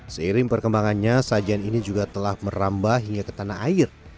seiring perkembangannya sajian ini juga telah merambah hingga ke tanah air